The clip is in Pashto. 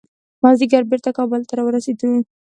مازدیګر بیرته کابل ته راورسېدو.